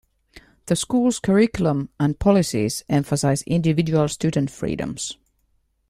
The school's curriculum and policies emphasize individual student freedoms.